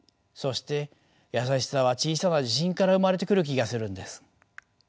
そして優しさは小さな自信から生まれてくる気がするんです。